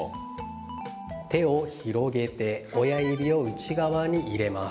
手を広げて親指を内側に入れます。